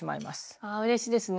ああうれしいですね。